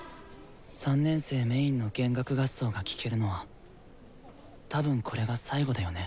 ３年生メインの弦楽合奏が聴けるのはたぶんこれが最後だよね。